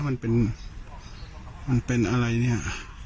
มันเป็นมันเป็นอะไรเนี่ย